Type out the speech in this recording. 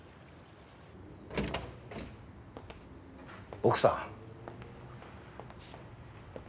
奥さん。